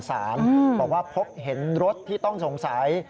อ้อเพิ่งว่าพกเห็นรถที่ต้องสงสัย